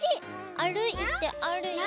あるいてあるいて。